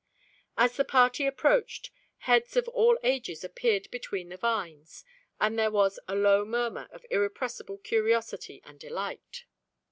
As the party approached, heads of all ages appeared between the vines, and there was a low murmur of irrepressible curiosity and delight.